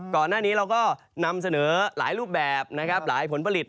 ก่อนหน้านี้เราก็นำเสนอหลายรูปแบบนะครับหลายผลผลิต